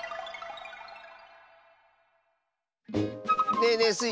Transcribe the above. ねえねえスイ